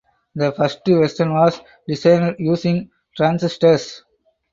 The first version was designed using transistors.